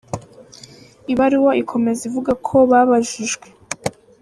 Ibaruwa ikomeza ivuga ko babajijwe.